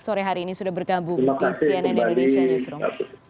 sore hari ini sudah bergabung di cnn indonesia newsroom